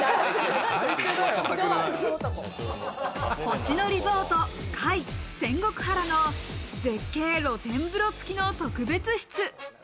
「星野リゾート界仙石原」の絶景露天風呂付きの特別室。